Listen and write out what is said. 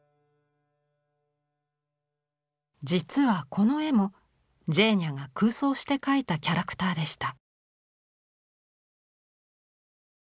実はこの絵もジェーニャが空想して描いたキャラクターでした。